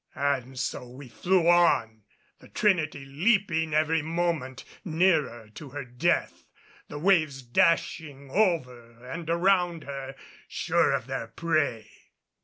And so we flew on, the Trinity leaping every moment nearer to her death, the waves dashing over and around her, sure of their prey.